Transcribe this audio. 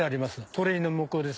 鳥居の向こうです。